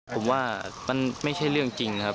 ผมว่ามันไม่ใช่เรื่องจริงนะครับ